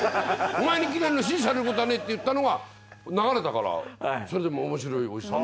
お前にキレるの指示されることはねえって言ったのが流れたからそれでもうおもしろいおじさん